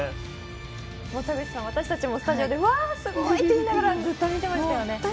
田口さん、私たちもスタジオでワーッ！と言いながらずっと見ていましたね。